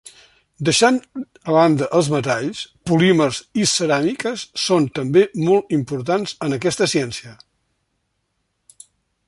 Deixant a banda els metalls, polímers i ceràmiques són també molt importants en aquesta ciència.